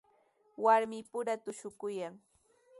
Warmipura tushuykaayan.